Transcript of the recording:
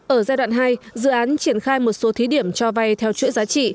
ở giai đoạn hai dự án triển khai một số thí điểm cho vay theo chuỗi giá trị